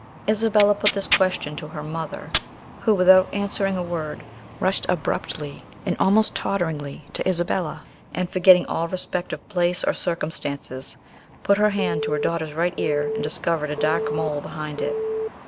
Isabella put this question to her mother, who, without answering a word, rushed abruptly and almost totteringly to Isabella, and forgetting all respect of place or circumstances, put her hand to her daughter's right ear, and discovered a dark mole behind it.